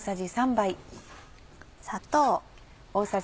砂糖。